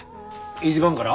１番がら？